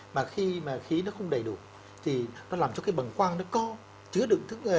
mà khi mà khí nó không đầy đủ thì nó làm cho cái bầng quang nó co